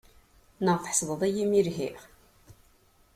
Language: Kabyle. Neɣ tḥesdeḍ-iyi imi i lhiɣ?